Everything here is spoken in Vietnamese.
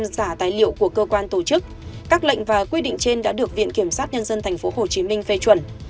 giả tài liệu của cơ quan tổ chức các lệnh và quy định trên đã được viện kiểm sát nhân dân tp hcm phê chuẩn